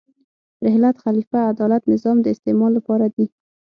رحلت، خلیفه، عدالت، نظام د استعمال لپاره دي.